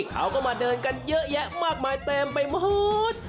เขาก็มาเดินกันเยอะแยะมากมายเต็มไปหมด